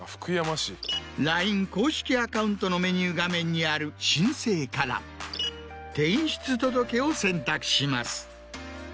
ＬＩＮＥ公式アカウントのメニュー画面にある「申請」から「転出届」を選択します。